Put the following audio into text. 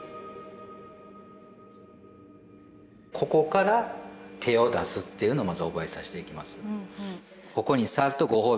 ここから手を出すっていうのをまず覚えさせていきます。